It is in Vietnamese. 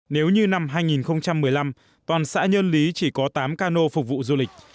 nếu như năm hai nghìn một mươi năm toàn xã nhân lý chỉ có tám cano phục vụ du lịch